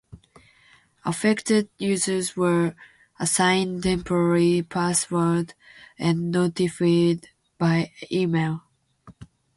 Affected users were assigned temporary passwords and notified by email.